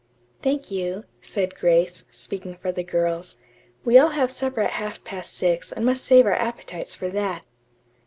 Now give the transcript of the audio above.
"Thank you," said Grace, speaking for the girls. "We all have supper at half past six and must save our appetites for that."